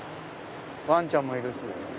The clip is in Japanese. わんちゃんもいるし。